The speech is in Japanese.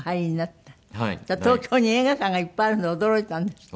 東京に映画館がいっぱいあるの驚いたんですって？